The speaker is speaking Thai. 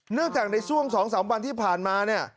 เนื่องจากในช่วง๒๓วันที่ผ่านมาเนี่ย